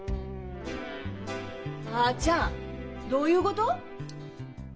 母ちゃんどういうこと？